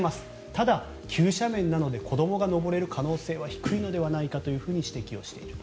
ただ、急斜面なので子どもが登れる可能性は低いのではないかというふうに指摘をしている。